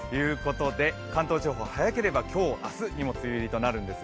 関東地方、早ければ今日明日、梅雨入りということです。